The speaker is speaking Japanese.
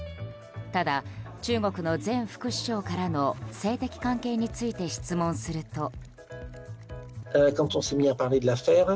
ただ、中国の前副首相からの性的関係について質問すると。